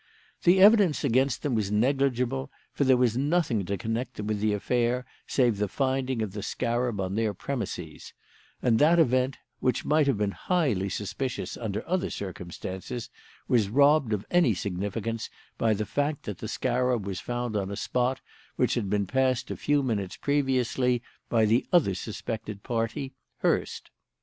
"The evidence against them was negligible, for there was nothing to connect them with the affair save the finding of the scarab on their premises; and that event, which might have been highly suspicious under other circumstances, was robbed of any significance by the fact that the scarab was found on a spot which had been passed a few minutes previously by the other suspected party, Hurst.